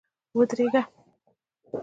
ودرېږه !